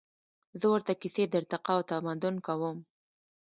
زهٔ ورته کیسې د ارتقا او تمدن کوم